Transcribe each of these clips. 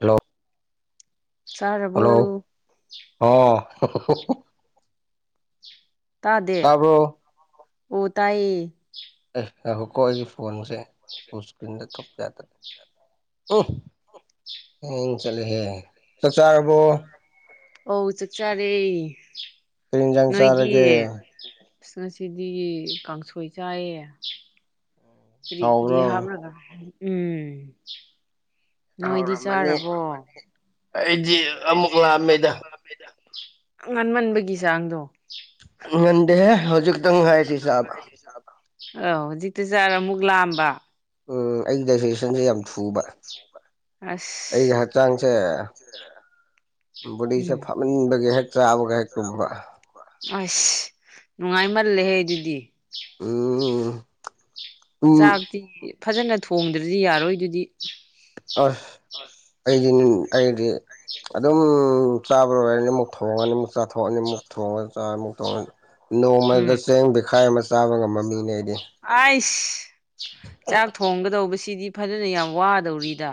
hello hello ꯆꯥꯔꯕꯣ ꯍꯥꯎ ꯇꯥꯗꯦ ꯇꯥꯕ꯭ꯔꯣ ꯑꯣ ꯇꯥꯏꯌꯦ ꯑꯦ ꯉꯏꯈꯣꯀꯣ ꯑꯩꯒꯤ ꯐꯣꯟꯁꯦ ꯐꫭꯟ ꯏꯁꯀ꯭ꯔꯤꯟꯗ ꯊꯣꯛꯄ ꯌꯥꯗ꯭ꯔꯦ ꯎꯝ ꯍꯦꯟꯆꯠꯂꯦꯍꯦ ꯆꯥꯛ ꯆꯥꯔꯕꯣ ꯑꯣ ꯆꯥꯛ ꯆꯥꯔꯦ ꯀꯔꯤ ꯏꯟꯖꯥꯡ ꯅꯣꯏꯗꯤ ꯆꯥꯔꯒꯦ ꯑꯁ ꯉꯁꯤꯗꯤ ꯀꯥꯡꯁꯣꯏ ꯆꯥꯏꯌꯦ ꯀꯔꯤ ꯀꯔꯤ ꯍꯥꯎꯕ꯭ꯔꯣ ꯍꯞꯔꯒꯥ ꯎꯝ ꯅꯣꯏꯗꯤ ꯍꯥꯎꯔꯝꯃꯅꯤ ꯆꯥꯔꯕꯣ ꯑꯩꯗꯤ ꯑꯃꯨꯛ ꯂꯝꯃꯦꯗ ꯉꯟꯃꯟꯕꯒꯤ ꯆꯥꯡꯗꯣ ꯉꯟꯗꯦꯍꯦ ꯍꯧꯖꯤꯛꯇꯪ ꯉꯥꯏꯔꯤ ꯆꯥꯕꯥ [inaudible] ꯑꯥꯎ ꯍꯧꯖꯤꯛꯇ ꯆꯥꯔ ꯑꯃꯨꯛ ꯂꯥꯝꯕ ꯎꯝ ꯑꯩꯒꯤ ꯗꯥꯁꯖꯦꯁꯟꯁꯦ ꯌꯥꯝ ꯊꯨꯕ ꯑꯩꯒꯤ ꯑꯁ ꯕꯨꯗꯤꯁꯦ ꯎꯝ ꯐꯃꯟꯕꯒꯤ ꯍꯦꯛ ꯆꯥꯕꯒ ꯍꯦꯛ ꯇꯨꯝꯕ ꯑꯁ ꯅꯨꯡꯉꯥꯏꯃꯜꯂꯦꯍꯦ ꯑꯗꯨꯗꯤ ꯎꯝ [unintelligible] ꯎꯝ ꯆꯥꯛꯇꯤ ꯐꯖꯅ ꯊꯣꯡꯗ꯭ꯔꯗꯤ ꯌꯥꯔꯣꯏ ꯑꯗꯨꯗꯤ ꯑꯁ ꯑꯩꯗꯤ ꯑꯩꯗꯤ ꯑꯗꯨꯝ ꯆꯥꯕꯔꯣꯏꯔꯗꯤ ꯑꯃꯨꯛ ꯊꯣꯡꯉꯅꯤꯃꯨꯛ ꯆꯥꯊꯣꯛꯑꯅꯤꯃꯨꯛ ꯊꯣꯡꯉꯒ ꯆꯥꯔ ꯑꯃꯨꯛ ꯊꯣꯡꯉꯅꯤ ꯅꯣꯡꯃꯗ ꯎꯝ ꯆꯦꯡ ꯕꯦꯈꯥꯏ ꯑꯃ ꯆꯥꯕ ꯉꯝꯕ ꯃꯤꯅꯦ ꯑꯩꯗꯤ ꯑꯩꯁ ꯆꯥꯛ ꯊꯣꯡꯒꯗꯧꯕꯁꯤꯗꯤ ꯐꯖꯅ ꯌꯥꯝ ꯋꯥꯗꯧꯔꯤꯗ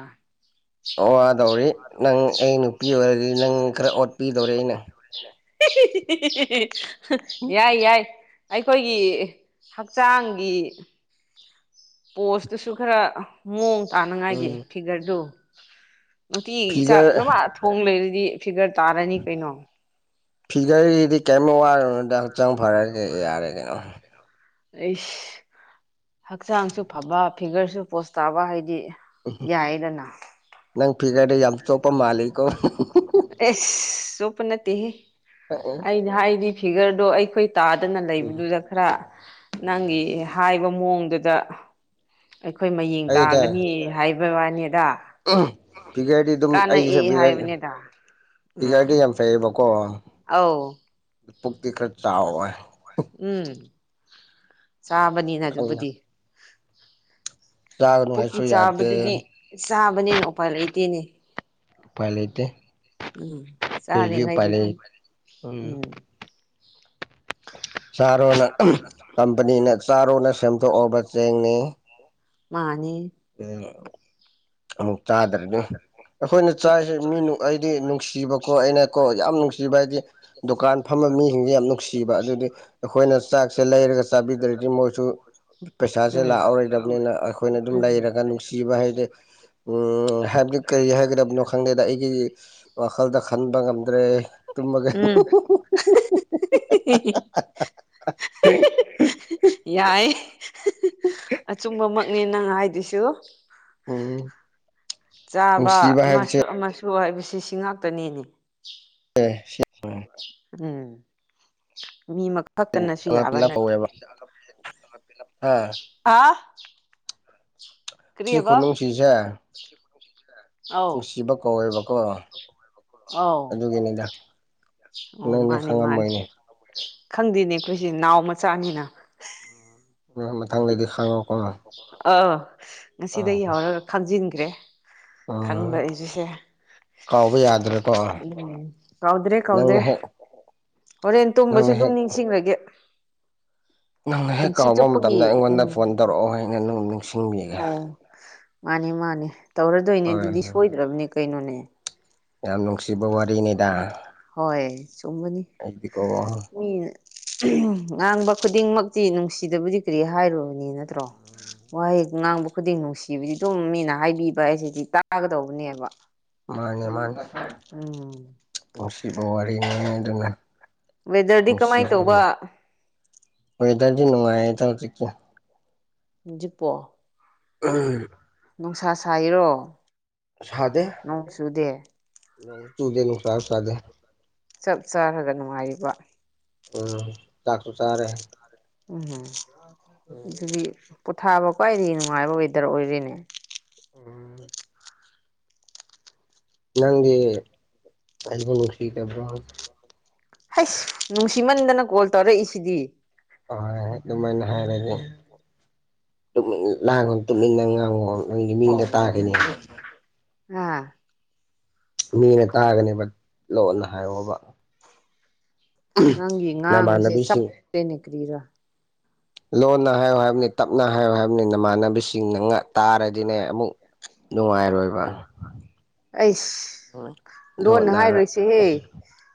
ꯋꯥꯗꯧꯔꯤ ꯅꯪ ꯑꯩ ꯅꯨꯄꯤ ꯑꯣꯏꯔꯗꯤ ꯅꯪ ꯈꯔ ꯑꯣꯠꯄꯤꯗꯧꯔꯤ ꯑꯩꯅ ꯌꯥꯏ ꯌꯥꯏ ꯑꯩꯈꯣꯏꯒꯤ ꯍꯛꯆꯥꯡꯒꯤ ꯄꯣꯁꯇꯨꯁꯨ ꯈꯔ ꯃꯑꯣꯡ ꯇꯥꯅꯉꯥꯏꯒꯤ ꯎꯝ ꯐꯤꯒꯔꯗꯨ ꯅꯨꯡꯇꯤꯒꯤ ꯆꯥꯛ ꯐꯤꯒꯔ ꯑꯗꯨꯃ ꯊꯣꯡ ꯂꯩꯔꯗꯤ ꯐꯤꯒꯔ ꯇꯥꯔꯅꯤ ꯀꯩꯅꯣ ꯐꯤꯒꯔꯒꯤꯗꯤ ꯀꯔꯤꯝ ꯋꯥꯔꫭꯔꯅꯨꯗ ꯍꯛꯆꯥꯡ ꯐꯔꯗꯤ ꯌꯥꯔꯦ ꯀꯩꯅꯣ ꯑꯩꯁ ꯍꯛꯆꯥꯡꯁꯨ ꯐꯕ ꯐꯤꯒꯔꯁꯨ ꯄꯣꯁ ꯇꯥꯕ ꯍꯥꯏꯗꯤ ꯌꯥꯏꯗꯅꯥ ꯅꯪ ꯐꯤꯒꯔꯗ ꯌꯥꯝ ꯆꯣꯞꯄ ꯃꯥꯟꯂꯤꯀꫭ ꯑꯦꯁ ꯆꯣꯄ ꯅꯠꯇꯦꯍ‌ꯦ ꯑꯩꯅ ꯍꯥꯏꯗꯤ ꯐꯤꯒꯔꯗꯣ ꯑꯩꯈꯣꯏ ꯇꯥꯗꯅ ꯂꯩꯕꯗꯨꯗ ꯈꯔ ꯅꯪꯒꯤ ꯍꯥꯏꯕ ꯃꯑꯣꯡꯗꯨꯗ ꯑꯩꯈꯣꯏ ꯃꯌꯦꯡ ꯑꯩꯗ ꯇꯥꯒꯅꯤ ꯍꯥꯏꯕ ꯋꯥꯅꯤꯗ ꯐꯤꯒꯔꯗꯤ ꯑꯗꯨꯝ ꯑꯩꯒꯤꯁꯦ ꯀꯥꯟꯅꯩ ꯐꯤꯒꯔ ꯍꯥꯏꯕꯅꯤꯗ ꯐꯤꯒꯔꯗꯤ ꯎꯝ ꯌꯥꯝ ꯐꯩꯌꯦꯕꯀꯣ ꯑꯧ ꯄꯨꯛꯇꯤ ꯈꯔ ꯆꯥꯎꯋꯦ ꯎꯝ ꯆꯥꯕꯅꯤꯅ ꯈꯪꯗꯦ ꯑꯗꯨꯕꯨꯗꯤ ꯆꯥꯒꯅꯨ ꯄꯨꯛ ꯀꯤ ꯍꯥꯏꯁꯨ ꯆꯥꯕꯗꯨꯗꯤ ꯌꯥꯗꯦ ꯆꯥꯕꯅꯤꯅ ꯎꯄꯥꯏ ꯂꯩꯇꯦꯅꯦ ꯎꯄꯥꯏ ꯂꯩꯇꯦ ꯎꯝ ꯀꯩꯒꯤ ꯎꯄꯥꯏ ꯆꯥꯔꯤꯉꯩꯗꯤ ꯂꯩ ꯑꯗꯨ ꯎꯝ [unintelligible] ꯆꯥꯔꯣꯅ ꯀꯝꯄꯅꯤꯅ ꯆꯥꯔꯣꯅ ꯁꯦꯝꯗꯣꯛꯑꯕ ꯆꯦꯡꯅꯤ ꯃꯥꯟꯅꯤ ꯎ ꯑꯣ [unintelligible] ꯆꯥꯗ꯭ꯔꯅꯤ ꯑꯩꯈꯣꯏꯅ ꯆꯥꯔꯤꯁꯦ ꯃꯤ ꯑꯩꯗꯤ ꯅꯨꯡꯁꯤꯕꯀꯣ ꯑꯩꯅꯀꯣ ꯌꯥꯝ ꯅꯨꯡꯁꯤꯕ ꯍꯥꯏꯗꯤ ꯗꯨꯀꯥꯟ ꯐꯝꯕ ꯃꯤꯁꯤꯡꯁꯦ ꯌꯥꯝ ꯅꯨꯡꯁꯤꯕ ꯑꯗꯨꯗꯤ ꯑꯩꯈꯣꯏꯅ ꯆꯥꯛꯁꯦ ꯂꯩꯔꯒ ꯆꯥꯕꯤꯗ꯭ꯔꯗꯤ ꯃꯣꯏꯁꯨ ꯄꯩꯁꯥꯁꯦ ꯎꯝ ꯂꯥꯛꯑꯔꯣꯏꯗꯕꯅꯤꯅ ꯑꯩꯈꯣꯏꯅ ꯑꯗꯨꯝ ꯂꯩꯔꯒ ꯅꯨꯡꯁꯤꯕ ꯍꯥꯏꯗꯤ ꯎꯝ ꯍꯥꯏꯕꯗꯤ ꯀꯔꯤ ꯍꯥꯏꯒꯗꯕꯅꯣ ꯈꯪꯗꯦꯗ ꯑꯩꯒꯤ ꯋꯥꯈꯜꯗ ꯈꯟꯕ ꯉꯝꯗ꯭ꯔꯦ ꯇꯨꯝꯃꯒꯦ ꯎꯝ [unintelligible] ꯌꯥꯏ ꯑꯆꯨꯝꯕꯃꯛꯅꯦ ꯅꯪ ꯍꯥꯏꯗꯨꯁꯨ ꯎꯝ ꯆꯥꯕ ꯅꯨꯡꯁꯤꯕ ꯍꯥꯏꯕꯁꯦ ꯑꯃꯁꯨ ꯑꯃꯁꯨ ꯍꯥꯏꯕꯁꯤ ꯁꯤ ꯉꯥꯛꯇꯅꯤꯅꯦ ꯑꯦ ꯁꯤ [unintelligible] ꯎꯝ ꯃꯤꯃ ꯈꯛꯇꯅꯁꯨ ꯌꯥꯕ ꯄꯨꯂꯞ ꯅꯠꯇꯦ ꯀꯧꯋꯦꯕ ꯑꯥ ꯍꯥꯎ ꯁꯤ ꯀꯔꯤꯏꯕ ꯈꯨꯅꯨꯡꯁꯤꯁꯦ ꯅꯨꯡꯁꯤꯕ ꯀꯧꯋꯦꯕꯀꯣ ꯑꯧ ꯑꯗꯨꯒꯤꯅꯤꯗ ꯑꯧ ꯅꯪꯗꯤ ꯃꯥꯅꯤ ꯃꯥꯅꯤ ꯈꯪꯉꯝꯃꫭꯏꯅꯦ ꯈꯪꯗꯦꯅꯦ ꯑꯩꯈꯣꯏꯁꯦ ꯅꯥꯎ ꯃꯆꯥꯅꯤꯅ [unintelligible] ꯃꯊꯪꯗꯗꯤ ꯍꯪꯉꯣꯀꯣ ꯑꯥꯎ ꯉꯁꯤꯗꯒꯤ ꯍꯧꯔꯒ ꯈꯪꯖꯤꯟꯈ꯭ꯔꯦ ꯈꯪꯕ ꯑꯥ ꯑꯩꯁꯤꯁꯦ ꯀꯥꯎꯕ ꯌꯥꯗ꯭ꯔꯦꯀꯣ ꯎꯝ ꯀꯧꯗ꯭ꯔꯦ ꯀꯧꯗ꯭ꯔꯦ ꯅꯪꯅ ꯍꯦꯛ ꯍꯣꯔꯦꯟ ꯇꯨꯝꯕꯁꯨ ꯅꯪꯅ ꯑꯗꯨꯝ ꯍꯦꯛ ꯅꯤꯡꯁꯤꯡꯂꯒꯦ ꯅꯪ ꯍꯦꯛ ꯄꯨꯟꯁꯤ ꯀꯥꯎꯕ ꯆꯨꯞꯄꯒꯤ ꯃꯇꯝꯗ ꯑꯩꯉꯣꯟꯗ ꯐꯣꯟ ꯎꯝ ꯇꯧꯔꯛꯑꯣ ꯑꯩꯅ ꯅꯪꯕꯨ ꯅꯤꯡꯁꯤꯡꯕꯤꯒꯦ ꯑꯣ ꯃꯥꯅꯦ ꯃꯥꯅꯦ ꯇꯧꯔꯗꯣꯏꯅꯦ ꯍꯣꯏ ꯑꯗꯨꯗꯤ ꯍꯣꯏ ꯁꯣꯏꯗ꯭ꯔꯕꯅꯦ ꯀꯩꯅꯣꯅꯦ ꯌꯥꯝ ꯅꯨꯡꯁꯤꯕ ꯋꯥꯔꯤꯅꯦꯗꯥ ꯍꯣꯏ ꯆꯨꯝꯕꯅꯤ ꯃꯤ ꯉꯥꯡꯕ ꯈꯨꯗꯤꯡꯃꯛꯇꯤ ꯅꯨꯡꯁꯤꯗꯕꯗꯤ ꯀꯔꯤ ꯍꯥꯏꯔꯨꯅꯤ ꯅꯠꯇ꯭ꯔꯣ ꯋꯥꯍꯩ ꯉꯥꯡꯕ ꯈꯨꯗꯤꯡ ꯅꯨꯡꯁꯤꯕꯗꯤ ꯑꯗꯨꯝ ꯃꯤꯅ ꯍꯥꯏꯕꯤꯕ ꯍꯥꯏꯁꯤꯗꯤ ꯇꯥꯒꯗꯧꯕꯅꯦꯕ ꯃꯥꯅꯦ ꯃꯥꯅꯦ ꯎꯝ ꯅꯨꯡꯁꯤꯕ ꯋꯥꯔꯤꯅꯦ ꯑꯗꯨꯅ ꯋꯦꯗꯔꯗꯤ ꯀꯃꯥꯏ ꯇꯧꯕ ꯅꯨꯡꯁꯤꯒꯗꯧꯅꯦ ꯋꯦꯗꯔꯗꯤ ꯅꯨꯡꯉꯥꯏꯌꯦꯗ ꯍꯧꯖꯤꯛꯇꯤ ꯍꯧꯖꯤꯛꯄꯣ ꯎꯝ ꯅꯨꯡꯁꯥ ꯁꯥꯏꯔꯣ ꯁꯥꯗꯦ ꯅꯣꯡ ꯆꯨꯗꯦ ꯅꯣꯡꯁꯨ ꯆꯨꯗꯦ ꯅꯨꯡꯁꯥꯁꯨ ꯁꯥꯗꯦ ꯆꯞ ꯆꯥꯔꯒ ꯅꯨꯡꯉꯥꯏꯔꯤꯕ ꯎꯝ ꯆꯥꯛꯁꯨ ꯆꯥꯔꯦ ꯎꯝ ꯑꯗꯨꯗꯤ ꯄꯣꯊꯥꯕ ꯈ꯭ꯋꯥꯏꯗꯤ ꯅꯨꯡꯉꯥꯏꯕ ꯋꯦꯗꯔ ꯑꯣꯏꯔꯦꯅꯦ ꯎꯝ ꯅꯪꯗꯤ ꯑꯩꯕꯨ ꯅꯨꯡꯁꯤꯗꯕ꯭ꯔꯣ ꯍꯩꯁ ꯅꯨꯡꯁꯤꯃꯟꯗꯅ ꯀꯣꯜ ꯇꯧꯔꯛꯏꯁꯤꯗꯤ ꯍꯣꯏ ꯑꯗꯨꯃꯥꯏꯅ ꯍꯥꯏꯔꯗꯤ ꯇꯨꯃꯤꯟ ꯂꯥꯡꯉꯣ ꯇꯨꯃꯤꯟꯅ ꯉꯥꯡꯉꯣꯟ ꯅꯪꯒꯤ ꯃꯤꯅ ꯇꯥꯈꯤꯅꯤ ꯍꯥ ꯃꯤꯅ ꯇꯥꯒꯅꯦꯕ ꯂꯣꯟꯅ ꯍꯥꯏꯌꯣꯕ ꯅꯪꯒꯤ ꯉꯥꯡꯕꯁꯦ ꯅꯃꯥꯟꯅꯕꯤꯁꯤꯡ ꯆꯞꯄꯦꯅꯦ ꯀ꯭ꯔꯤꯔꯥ ꯂꯣꯟꯅ ꯍꯥꯏꯌꯨ ꯍꯥꯏꯕꯅꯦ ꯇꯞꯅ ꯍꯥꯏꯌꯨ ꯍꯥꯏꯕꯅꯦ ꯅꯃꯥꯟꯅꯕꯤꯁꯤꯡꯅ ꯇꯥꯔꯗꯤꯅꯦ ꯑꯃꯨꯛ ꯅꯨꯡꯉꯥꯏꯔꯣꯏꯕ ꯑꯩꯁ ꯂꯣꯟꯅ ꯍꯣꯠꯅ ꯍꯥꯏꯔꯣꯏꯁꯦꯍꯦ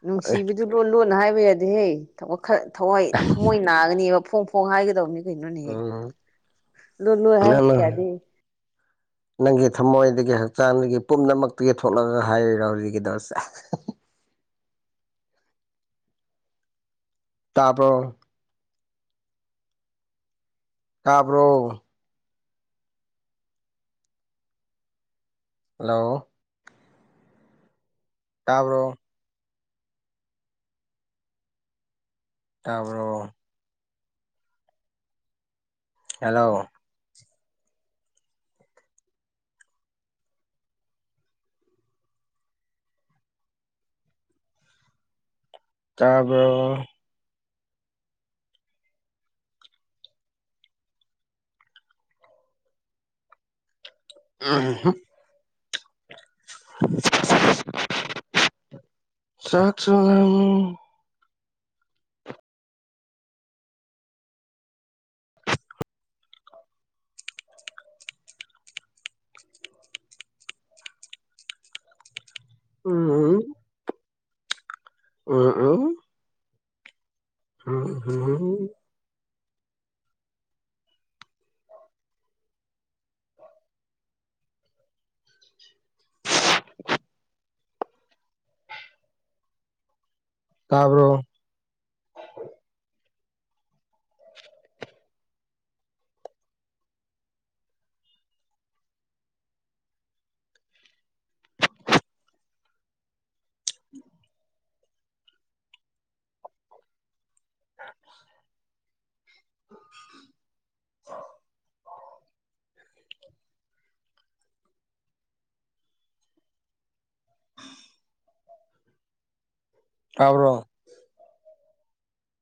ꯅꯨꯡꯁꯤꯕꯗꯨ ꯂꯣꯟ ꯂꯣꯟ ꯍꯥꯏꯕ ꯌꯥꯗꯦꯍ ꯊꯋꯥꯏ ꯊꯃꯣꯏ ꯅꯥꯒꯅꯦꯕ ꯐꯣꯡ ꯐꯣꯡ ꯍꯥꯏꯒꯗꯕꯅꯤ ꯀꯩꯅꯣꯅꯤ ꯎꯝ ꯂꯣꯅꯨ ꯑꯦ ꯅꯪꯅ ꯀꯗꯤ [unintelligible] ꯅꯪꯒꯤ ꯊꯃꯣꯏꯗꯒꯤ ꯍꯛꯆꯥꯡꯗꯒꯤ ꯄꯨꯝꯅꯃꯛꯇꯒꯤ ꯊꯣꯛꯂꯛꯑꯒ ꯍꯥꯏꯔꯤꯔꯣ ꯍꯧꯖꯤꯛꯒꯤꯗꯣꯁꯦ ꯇꯥꯄ ꯇꯥꯕ꯭ꯔꯣ ꯍꯜꯂꯣ ꯇꯥꯄꯣ ꯇꯥꯔꯕꯔꯣ ꯍꯜꯂꯣ ꯇꯥꯔ꯭ꯕꯣ ꯎꯝ ꯍꯝ ꯆꯥꯛ ꯆꯥꯔꯕꯣ ꯎꯝ ꯎꯝ ꯎꯝ ꯎꯝ ꯇꯥꯕ꯭ꯔꯣ [unintelligible] [unintelligible] ꯇꯕ꯭ꯔꯣ